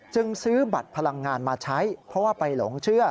จึงซื้อบัตรพลังงานมาใช้เพราะว่าไปหลงเชื่อ